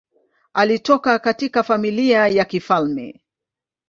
Alitoka katika familia ya kifalme.